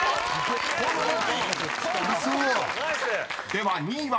［では２位は？